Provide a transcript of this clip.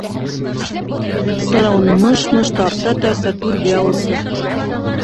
Танауын мыш-мыш тарта-тарта түргә уҙҙы.